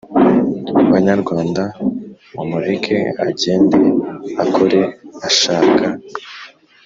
Banyarwanda mumureke agende akore ashaka